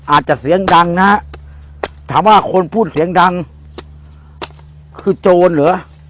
อาจจะเสียงดังนะฮะถามว่าคนพูดเสียงดังคือโจรเหรอ